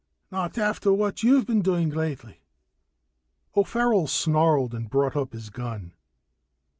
Not after what you've been doing lately." O'Farrell snarled and brought up his gun.